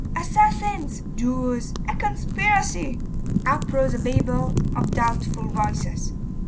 'Assassins!' 'Jews!' 'A conspiracy!' Up rose a Babel of doubtful voices.